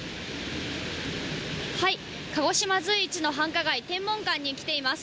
鹿児島随一の繁華街、天文館に来ています。